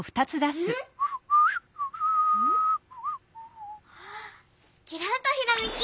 ん⁉きらんとひらめき！